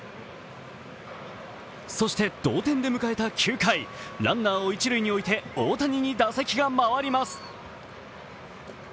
そして同点で迎えた９回、ランナーを一塁に置いて大谷に打席が回ります。